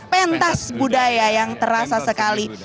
pentas budaya yang terasa sekali